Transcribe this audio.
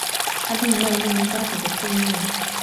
它并没有一名专属的配音员。